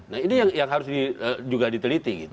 nah ini yang harus juga diteliti gitu